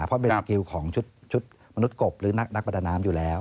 เพราะเป็นสกิลของชุดมนุษย์กบหรือนักประดาน้ำอยู่แล้ว